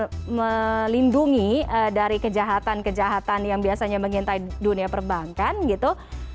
jadi chip base ini serta merta memproteksi atau melindungi dari kejahatan kejahatan yang biasanya mengintai dunia perbankan gitu